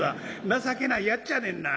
情けないやっちゃねんな。